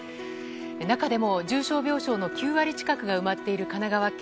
中でも重症病床の９割近くが埋まっている神奈川県。